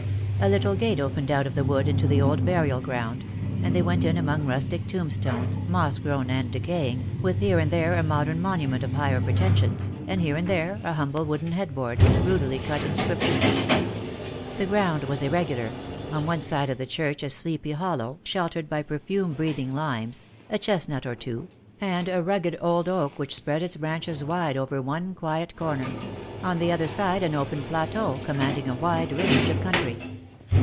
A little gate opened out of the wood into the old burial ground, and they went in among rustic tombstones, moss grown, and decaying, with here and there a modern monument of higher pretensions, and here and there a humble wooden headboard with rudely cut inscription. The ground was irre gular ; on one side of the church a sleepy hollow, sheltered by perfume breathing limes, a chestnut or two, and a rugged old oak which spread its branches wide over one quiet corner; on the other side, an open plateau commanding a wide range of country.